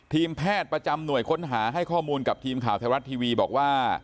ทีมแพทย์ประจำหน่วยค้นหาให้ข้อมูลกับทีมข่าวไทยรัฐทีวีบอกว่า